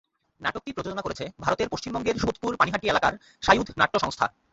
নাটকটি প্রযোজনা করেছে ভারতের পশ্চিমবঙ্গের সোদপুর পানিহাটি এলাকার সায়ুধ নাট্য সংস্থা।